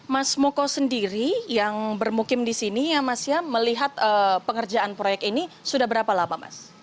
mas moko sendiri yang bermukim di sini ya mas ya melihat pengerjaan proyek ini sudah berapa lama mas